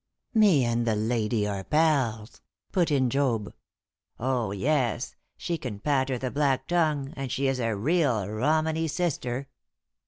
"Me and the lady are pals," put in Job. "Oh, yes; she can patter the black tongue, and she is a real Romany sister."